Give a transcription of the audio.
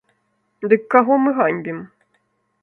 Дык каго мы ганьбім?